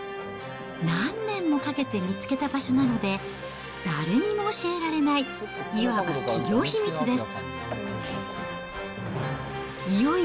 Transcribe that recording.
何年もかけて見つけた場所なので、誰にも教えられない、いわば企業秘密です。